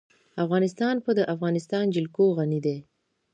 افغانستان په د افغانستان جلکو غني دی.